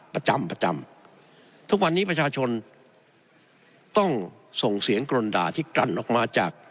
ประจำประจำทุกวันนี้ประชาชนต้องส่งเสียงกรนด่าที่กลั่นออกมาจาก